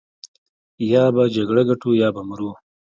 يا به جګړه ګټو يا به مرو.